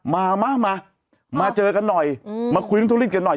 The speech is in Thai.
มาเจอกันหน่อยมาคุยด้วยทันทริวงกันหน่อย